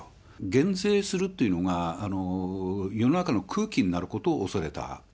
減税するというのが世の中の空気になることを恐れた。